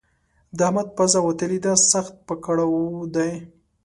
د احمد پزه وتلې ده؛ سخت په کړاو دی.